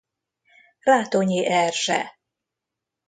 Rátonyi Erzse.